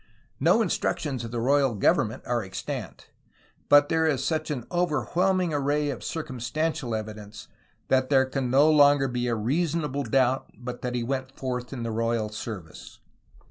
No instructions of the royal government are extant, but there is such an overwhehning array of circumstantial evidence that there can no longer be a reasonable doubt but that he went forth in the royal service.